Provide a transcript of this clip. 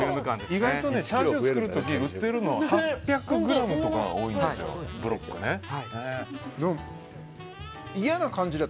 意外とチャーシュー作る時売ってるのは８００ｇとかが多いんですよ、ブロックで。